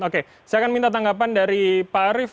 oke saya akan minta tanggapan dari pak arief